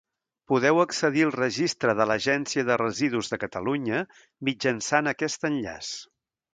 Podeu accedir al registre de l'Agència de Residus de Catalunya mitjançant aquest enllaç.